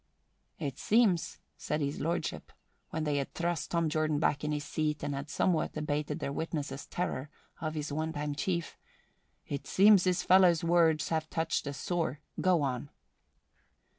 "It seems," said His Lordship, when they had thrust Tom Jordan back in his seat and had somewhat abated their witness's terror of his one time chief, "it seems this fellow's words have touched a sore. Go on."